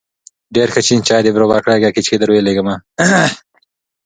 غږ د ده په روح کې پټ و.